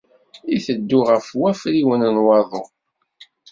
Itteddu ɣef wafriwen n waḍu.